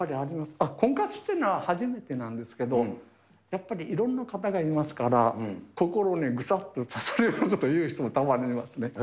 あっ、婚活っていうのは初めてなんですけど、やっぱりいろんな方がいますから、心にぐさっと刺さるようなことを言う人もたまにいますね。